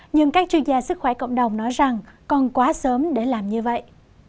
nhưng các chuyên gia sức khỏe cộng đồng nói rằng còn quá sớm để làm như vậy